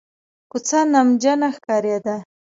کوڅه نمجنه ښکارېده.